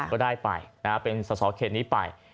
ก็ได้ไปเป็นสาธารณ์สาวเขตนี้ไป